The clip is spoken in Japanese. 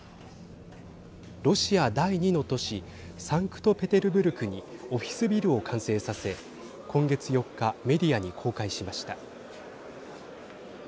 ロシア第２の都市サンクトペテルブルクにオフィスビルを完成させ今月４日メディアに公開しました。